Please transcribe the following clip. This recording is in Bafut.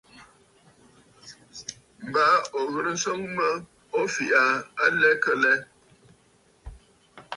Baa ò ghɨ̀rə nswoŋ mə o fɛ̀ʼ̀ɛ̀ aa a lɛ kə lɛ?